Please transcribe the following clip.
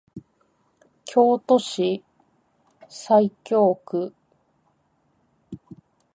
京都市西京区